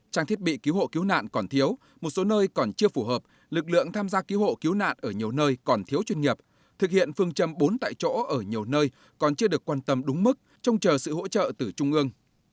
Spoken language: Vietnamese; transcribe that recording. trang thiết bị cứu hộ cứu nạn còn thiếu một số nơi còn chưa phù hợp lực lượng tham gia cứu hộ cứu nạn ở nhiều nơi còn thiếu chuyên nghiệp thực hiện phương châm bốn tại chỗ ở nhiều nơi còn chưa được quan tâm đúng mức trông chờ sự hỗ trợ từ trung ương